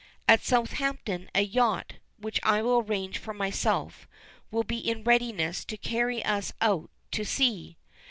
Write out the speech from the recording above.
At Southampton a yacht, which I will arrange for myself, will be in readiness to carry us out to sea.